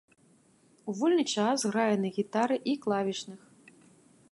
У вольны час грае на гітары і клавішных.